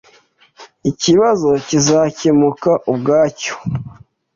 Ikibazo kizakemuka ubwacyo